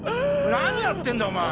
何やってんだお前。